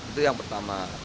itu yang pertama